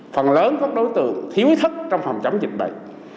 phần lớn các đối tượng thiếu thức trong phòng chấm dịch bệnh